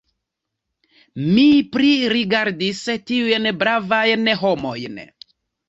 Mi pririgardis tiujn bravajn homojn.